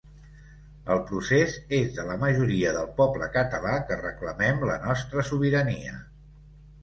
El procés és de la majoria del poble català que reclamem la nostra sobirania.